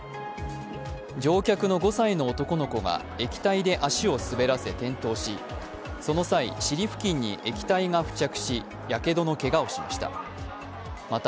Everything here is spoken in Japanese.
乗客の５歳の男の子が液体で足を滑らせて転倒しその際、尻付近に液体が付着しやけどのけがをしました。